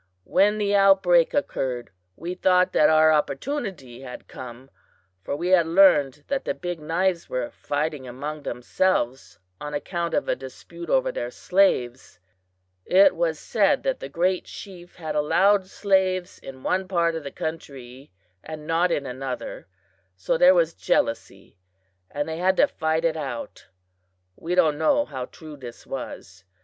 "When the outbreak occurred, we thought that our opportunity had come, for we had learned that the Big Knives were fighting among themselves, on account of a dispute over their slaves. It was said that the Great Chief had allowed slaves in one part of the country and not in another, so there was jealousy, and they had to fight it out. We don't know how true this was.